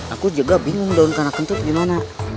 aku juga bingung daun kena kentut gimana